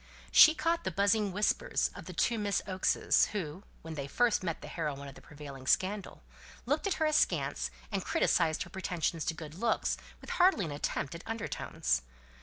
She caught the buzzing whispers of the two Miss Oakes's, who, when they first met the heroine of the prevailing scandal, looked at her askance, and criticised her pretensions to good looks, with hardly an attempt at under tones.